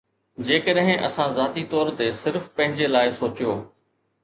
جيڪڏهن اسان ذاتي طور تي صرف پنهنجي لاء سوچيو